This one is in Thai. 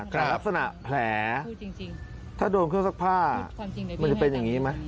แต่ลักษณะแผลถ้าโดนเครื่องซักผ้ามันจะเป็นอย่างนี้ไหม